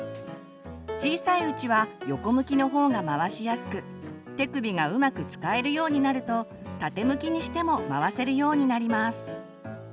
小さいうちは横向きの方が回しやすく手首がうまく使えるようになると縦向きにしても回せるようになります。